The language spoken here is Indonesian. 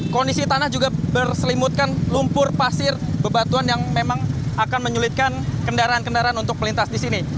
kondisi tanah juga berselimutkan lumpur pasir bebatuan yang memang akan menyulitkan kendaraan kendaraan untuk melintas di sini